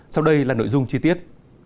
sau đây là nội dung chi tiết